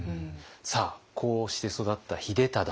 さあこうして育った秀忠。